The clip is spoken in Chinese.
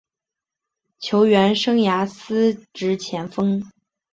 球员生涯司职前锋。